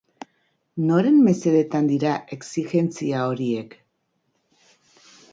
Noren mesedetan dira exijentzia horiek?